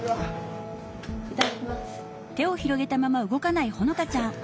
いただきます。